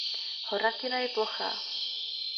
Hornatina je plochá.